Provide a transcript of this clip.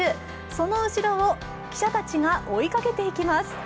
その後ろを記者たちが追いかけていきます。